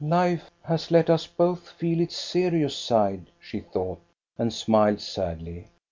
" Life has let us both feel its serious side," she thought, and smiled sadly.